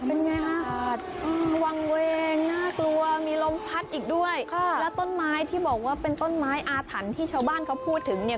เป็นไงฮะวางเวงน่ากลัวมีลมพัดอีกด้วยค่ะแล้วต้นไม้ที่บอกว่าเป็นต้นไม้อาถรรพ์ที่ชาวบ้านเขาพูดถึงเนี่ย